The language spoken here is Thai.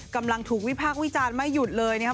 กำลังถูกวิพากษ์วิจารณ์ไม่หยุดเลยนะครับ